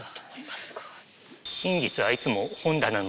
すごい。